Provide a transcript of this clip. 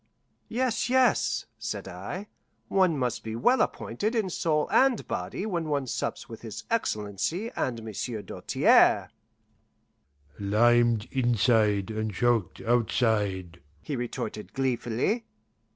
"Yes, yes," said I, "one must be well appointed in soul and body when one sups with his Excellency and Monsieur Doltaire." "Limed inside and chalked outside," he retorted gleefully.